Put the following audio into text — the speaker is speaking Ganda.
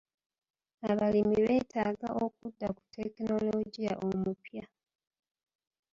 Abalimi beetaga okudda ku tekinologiya omupya.